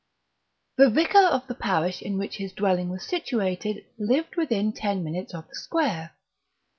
The vicar of the parish in which his dwelling was situated lived within ten minutes of the square.